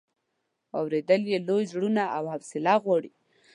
اورېدل یې لوی زړونه او حوصله غواړي.